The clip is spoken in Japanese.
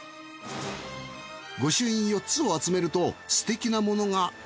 御朱印４つを集めるとすてきなものが。